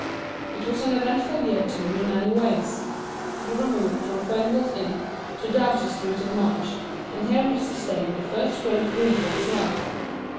It was an eventful year to him in many ways. He removed from Furnival's Inn to Doughty Street in March, and here he sustained the first great grief of his life.